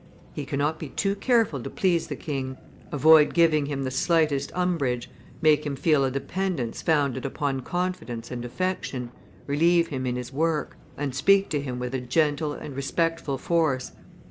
He cannot be too careful to please the king, avoid giving him the slightest umbrage, make him feel a dependence founded on confidence and affection, relieve him in his work, and speak to him with a gentle and respectful force which will grow by little and little.